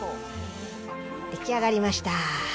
出来上がりました。